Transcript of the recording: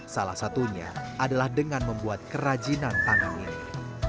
salah satunya adalah dengan membuat kerajinan tangan ini